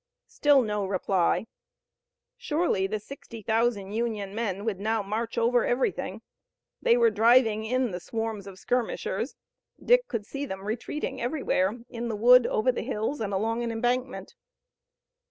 Still no reply. Surely the sixty thousand Union men would now march over everything. They were driving in the swarms of skirmishers. Dick could see them retreating everywhere, in the wood over the hills and along an embankment.